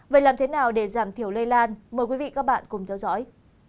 vậy làm thế nào để giảm thiểu lây lan mời quý vị và các bạn cùng theo dõi